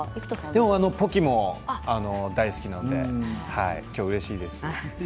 ポキも大好きなので今日はうれしいです。